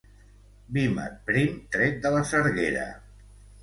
Vímet prim tret de la sarguera.